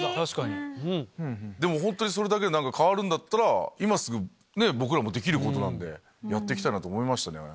本当にそれだけで変わるんだったら今すぐ僕らもできることなんでやって行きたいなと思いましたね。